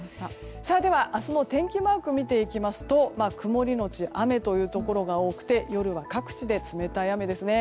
では明日の天気マークを見ていきますと曇りのち雨というところが多くて夜は各地で冷たい雨ですね。